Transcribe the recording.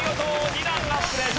２段アップです。